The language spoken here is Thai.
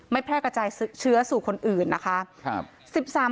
แพร่กระจายเชื้อสู่คนอื่นนะคะ